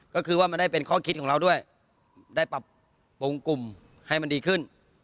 ก็คือว่ามันได้เป็นข้อคิดของเราด้วยได้ปรับปรุงกลุ่มให้มันดีขึ้น